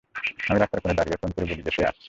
আমি রাস্তার কোণে দাঁড়িয়ে ফোন করে বলি যে সে আসছে।